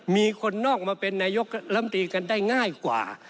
มีคนนอกมาเป็นนายกลำตีกันได้ง่ายกว่า